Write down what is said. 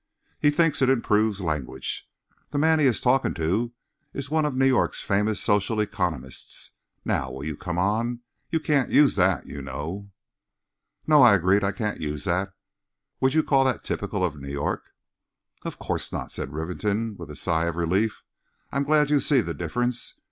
He thinks it improves language. The man he is talking to is one of New York's famous social economists. Now will you come on. You can't use that, you know." "No," I agreed; "I can't use that. Would you call that typical of New York?" "Of course not," said Rivington, with a sigh of relief. "I'm glad you see the difference.